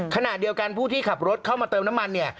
ขณะเดียวกันผู้ที่ขับรถเข้ามาเติมน้ำมันเนี่ย